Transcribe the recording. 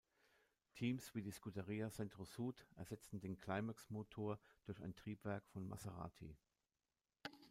Teams wie die Scuderia Centro Sud ersetzten den Climax-Motor durch ein Triebwerk von Maserati.